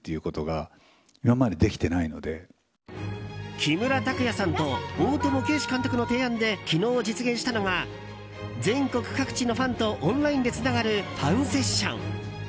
木村拓哉さんと大友啓史監督の提案で昨日、実現したのが全国各地のファンとオンラインでつながるファンセッション。